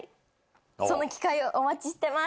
その機会をお待ちしてます。